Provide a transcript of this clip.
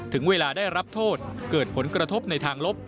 ถึงเวลาได้รับโทษเกิดผลกระทบในทางลบ